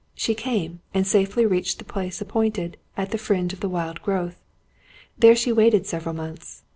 She came, and safely reached the place appointed, at the fringe of the wild growth. There she waited several months.